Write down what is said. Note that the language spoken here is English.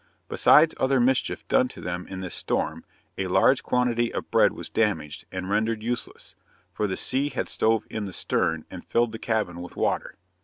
Besides other mischief done to them in this storm, a large quantity of bread was damaged and rendered useless, for the sea had stove in the stern and filled the cabin with water.